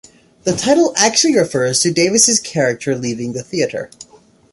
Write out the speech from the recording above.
The title actually refers to Davis's character leaving the theater.